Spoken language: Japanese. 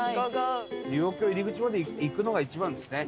龍王峡入口まで行くのが一番ですね。